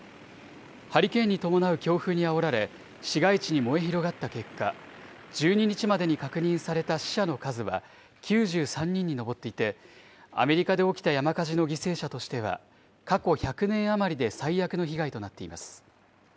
ハリケーンに伴う強風にあおられ、市街地に燃え広がった結果、１２日までに確認された死者の数は９３人に上っていて、アメリカで起きた山火事の犠牲者としては過去１００年余りで最悪の被害となっています。